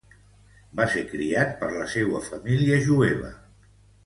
Va ser criat per la seua família jueva.